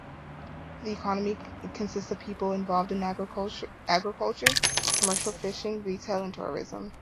The economy consists of people involved in agriculture, commercial fishing, retail and tourism.